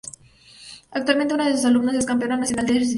Actualmente una de sus alumnas es campeona nacional de esgrima.